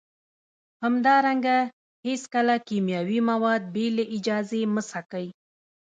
همدارنګه هیڅکله کیمیاوي مواد بې له اجازې مه څکئ